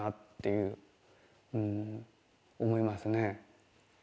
うん思いますね。